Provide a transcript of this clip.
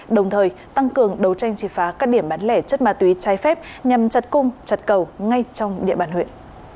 đồng thời tăng cường đấu tranh triệt phá các điểm bán lẻ chất ma túy trái phép nhằm chặt cung trật cầu ngay trong địa bàn huyện